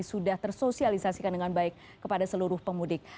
sudah tersosialisasikan dengan baik kepada seluruh pemudik